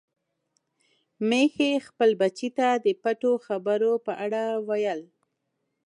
ميښې خپل بچي ته د پټو خبرو په اړه ویل.